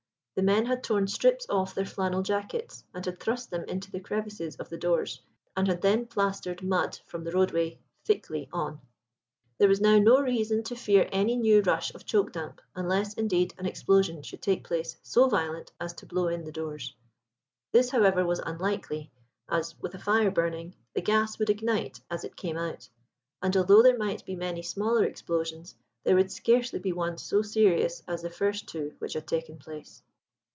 The men had torn strips off their flannel jackets and had thrust them into the crevices of the doors, and had then plastered mud from the roadway thickly on. There was now no reason to fear any new rush of choke damp, unless, indeed, an explosion should take place so violent as to blow in the doors. This, however, was unlikely, as, with a fire burning, the gas would ignite as it came out; and although there might be many smaller explosions, there would scarcely be one so serious as the first two which had taken place.